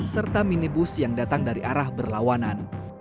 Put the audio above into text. serta minibus yang datang dari arah berlawanan